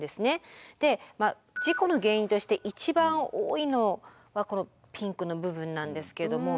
事故の原因として一番多いのがこのピンクの部分なんですけども。